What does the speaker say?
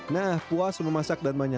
nah puas memasak dan menyambu